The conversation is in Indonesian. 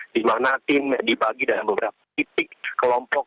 di mana tim dibagi dalam beberapa titik kelompok